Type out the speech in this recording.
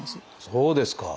そうですか。